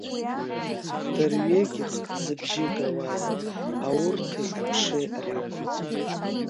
Дырҩегьых зыбжьы гауаз аурҭи аԥшеи ракәын.